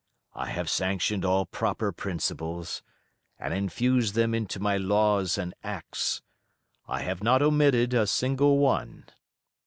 I have sanctioned all proper principles, and infused them into my laws and acts; I have not omitted a single one.